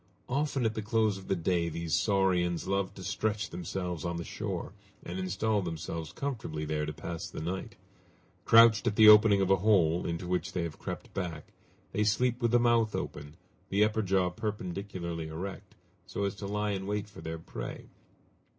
Often at the close of the day these saurians love to stretch themselves on the shore, and install themselves comfortably there to pass the night. Crouched at the opening of a hole, into which they have crept back, they sleep with the mouth open, the upper jaw perpendicularly erect, so as to lie in wait for their prey.